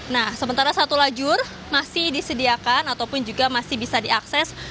nah sementara satu lajur masih disediakan ataupun juga masih bisa diakses